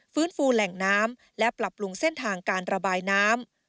ฟื้นฟูแหล่งน้ำและปรับปรุงเส้นทางการระบายน้ำ